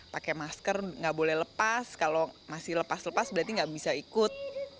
pakai masker nggak boleh lepas kalau masih lepas lepas berarti nggak bisa ikut